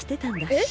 えっ！？